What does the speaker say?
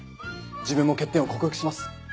自分も欠点を克服します。